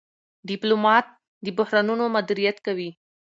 ډيپلومات د بحرانونو مدیریت کوي.